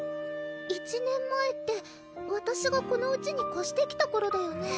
１年前ってわたしがこのうちにこしてきた頃だよね？